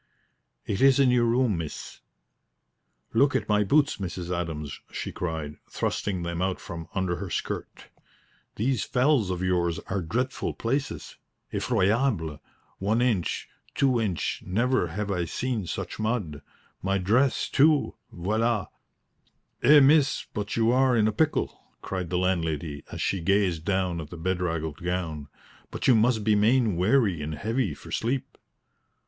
"It is in your room, miss." "Look at my boots, Mrs. Adams!" she cried, thrusting them out from under her skirt. "These fells of yours are dreadful places effroyable one inch, two inch; never have I seen such mud! My dress, too voila!" "Eh, miss, but you are in a pickle," cried the landlady, as she gazed down at the bedraggled gown. "But you must be main weary and heavy for sleep."